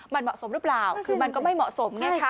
มันเหมาะสมหรือเปล่าคือมันก็ไม่เหมาะสมไงคะ